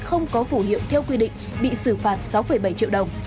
không có phủ hiệu theo quy định bị xử phạt sáu bảy triệu đồng